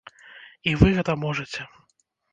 І вы гэта можаце.